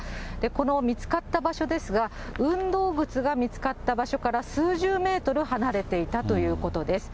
この見つかった場所ですが、運動靴が見つかった場所から数十メートル離れていたということです。